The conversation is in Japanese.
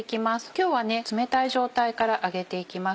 今日は冷たい状態から揚げていきます。